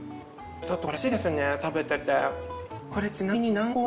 ちょっとこれ楽しいですね食べてて。